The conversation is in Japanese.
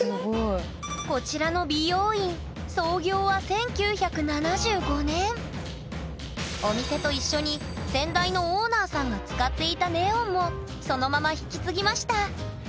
こちらの美容院お店と一緒に先代のオーナーさんが使っていたネオンもそのまま引き継ぎました。